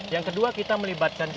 yang kedua kita melibatkan juga